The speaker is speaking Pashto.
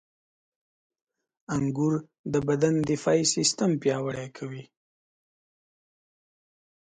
• انګور د بدن دفاعي سیستم پیاوړی کوي.